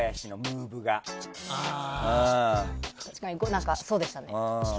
確かにそうでしたね。